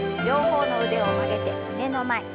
両方の腕を曲げて胸の前。